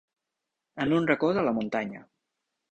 En un racó de la muntanya.